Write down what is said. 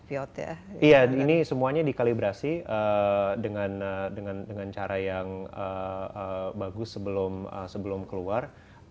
iya ini semuanya dikalibrasi dengan cara yang bagus sebelum keluar